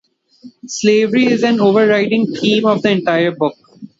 Slavery is an overriding theme of the entire book.